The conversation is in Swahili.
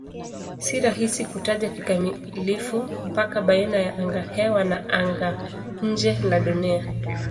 Si rahisi kutaja kikamilifu mpaka baina ya angahewa na anga-nje la Dunia.